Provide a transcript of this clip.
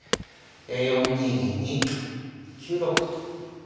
４二銀に９六歩と。